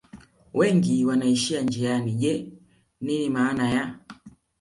wengi wanaishia njiani je nini maana ya